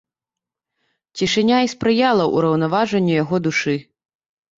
Цішыня і спрыяла ўраўнаважанню яго душы.